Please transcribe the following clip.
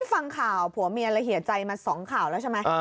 ฟังข่าวผัวเมียละเฮียใจมา๒ข่าวแล้วใช่ไหม